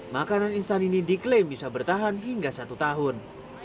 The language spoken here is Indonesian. makanan instan ini diklaim bisa bertahan hingga satu tahun